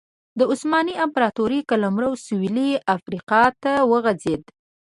د عثماني امپراتورۍ قلمرو شولې افریقا ته وغځېد.